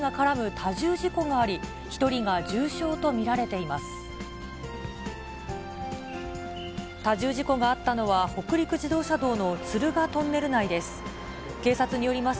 多重事故があったのは、北陸自動車道の敦賀トンネル内です。